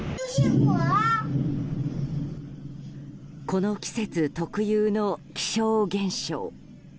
この季節特有の気象現象。